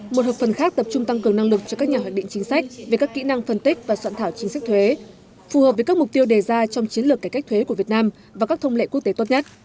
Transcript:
một hợp phần khác tập trung tăng cường năng lực cho các nhà hoạt định chính sách về các kỹ năng phân tích và soạn thảo chính sách thuế phù hợp với các mục tiêu đề ra trong chiến lược cải cách thuế của việt nam và các thông lệ quốc tế tốt nhất